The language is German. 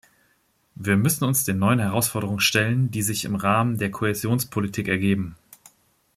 Wir müssen uns den neuen Herausforderungen stellen, die sich im Rahmen der Kohäsionspolitik ergeben.